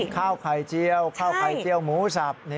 ข้าวไข่เจียวข้าวไข่เจียวหมูสับ